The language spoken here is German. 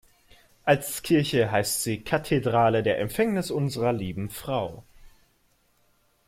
Als Kirche heißt sie "Kathedrale der Empfängnis unserer Lieben Frau".